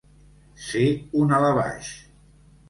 Ser un alabaix.